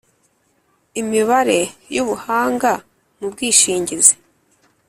imibare y ubuhanga mu bwishingizi